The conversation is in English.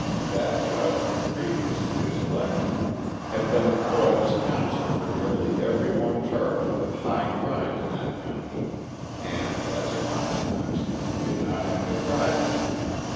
That judge, previous to his election, had been employed as counsel for nearly every one charged with high crime in that county, and, as a consequence, did not have to try them.